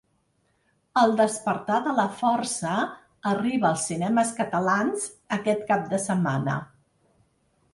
El despertar de la força, arriba als cinemes catalans aquest cap de setmana.